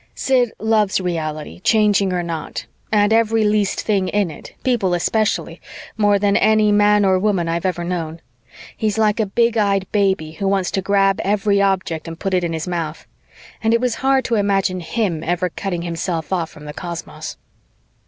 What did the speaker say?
Sid loves reality, Changing or not, and every least thing in it, people especially, more than any man or woman I've ever known he's like a big eyed baby who wants to grab every object and put it in his mouth and it was hard to imagine him ever cutting himself off from the cosmos.